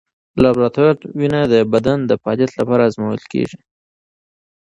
لابراتوار وینه د بدن د فعالیت لپاره ازمویل کېږي.